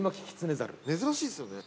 珍しいですよね。